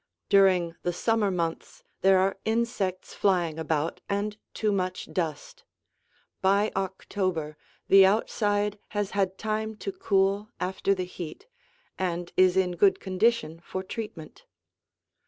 During the summer months there are insects flying about and too much dust. By October the outside has had time to cool after the heat and is in good condition for treatment.